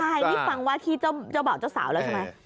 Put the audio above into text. ใช่นี่ฟังว่าที่เจ้าบ่าวเจ้าสาวแล้วใช่ไหม